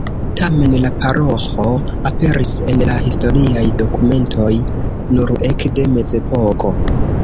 Tamen, la paroĥo aperis en la historiaj dokumentoj nur ekde Mezepoko.